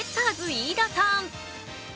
飯田さん。